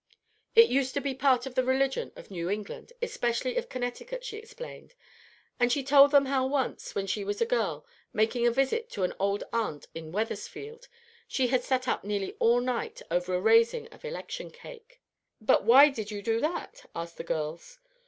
It used to be part of the religion of New England, especially of Connecticut, she explained; and she told them how once, when she was a girl, making a visit to an old aunt in Wethersfield, she had sat up nearly all night over a "raising" of Election cake. "But why did you do that?" asked the girls.